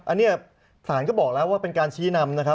อันนี้ศาลก็บอกแล้วว่าเป็นการชี้นำนะครับ